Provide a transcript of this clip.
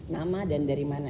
nama dan dari mana